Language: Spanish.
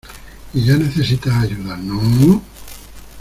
y ya necesitas ayuda, ¿ no?